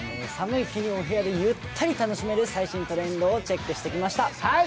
寒い日にお部屋でゆったり楽しめる最新トレンドをチェックしてきました。